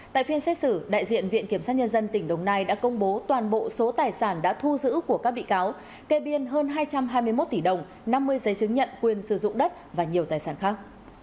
tại phiên xét xử đại diện viện kiểm sát nhân dân tỉnh đồng nai đã công bố toàn bộ số tài sản đã thu giữ của các bị cáo kê biên hơn hai trăm hai mươi một tỷ đồng năm mươi giấy chứng nhận quyền sử dụng đất và nhiều tài sản khác